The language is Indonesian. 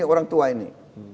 orang tua ini